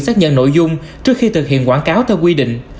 xác nhận nội dung trước khi thực hiện quảng cáo theo quy định